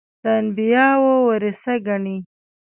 د انبیاوو ورثه ګڼي.